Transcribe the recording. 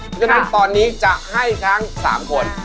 เพราะฉะนั้นตอนนี้จะให้ทั้ง๓คน